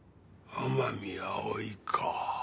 天海葵か。